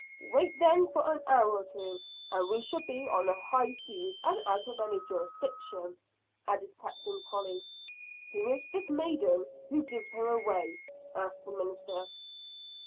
"Wait then for an hour or two; and we shall be on the high seas and out of any jurisdiction," added Captain Tolley. "Who is this maiden? Who gives her away?" asked the minister.